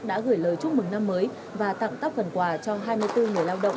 đã gửi lời chúc mừng năm mới và tặng các phần quà cho hai mươi bốn người lao động